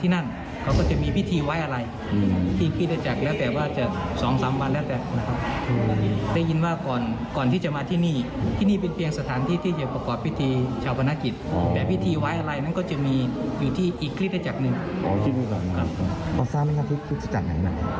น่าจะเป็นเชิดหอบจอยครับคุณ